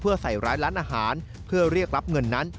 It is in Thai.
เพื่อใส่ร้ายร้านอาหารเพื่อเรียกรับเงินนั้น